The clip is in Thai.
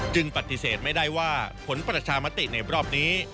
ปฏิเสธไม่ได้ว่าผลประชามติในรอบนี้